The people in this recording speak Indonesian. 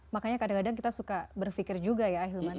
makanya kadang kadang kita suka berpikir juga ya ahilman